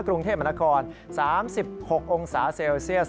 กรุงเทพมนาคม๓๖องศาเซลเซียส